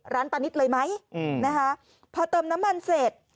ร้านปานิตเลยไหมอืมนะคะพอเติมน้ำมันเสร็จ